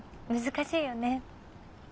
難しいよね。